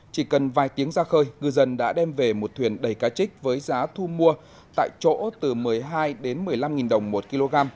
chỉ cần vài tiếng ra khơi ngư dân đã đem về một thuyền đầy cá trích với giá thu mua tại chỗ từ một mươi hai đến một mươi năm đồng một kg